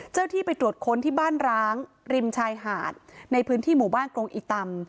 ที่ไปตรวจค้นที่บ้านร้างริมชายหาดในพื้นที่หมู่บ้านกรงอิตำ